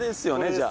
じゃあ。